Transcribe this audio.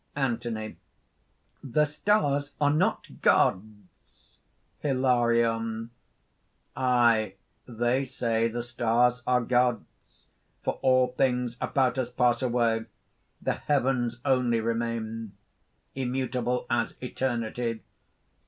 ANTHONY. "The stars are not gods." HILARION. "Aye, they say the stars are gods; for all things about us pass away; the heavens only remain immutable as eternity."